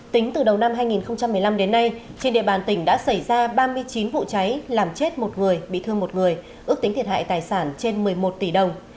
tính từ đầu năm hai nghìn một mươi năm đến nay trên địa bàn tỉnh đã xảy ra ba mươi chín vụ cháy làm chết một người bị thương một người ước tính thiệt hại tài sản trên một mươi một tỷ đồng